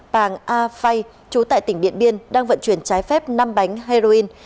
phàng a phay chú tại tỉnh điện biên đang vận chuyển trái phép năm bánh heroin